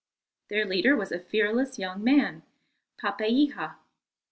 Their leader was a fearless young man, Papeiha.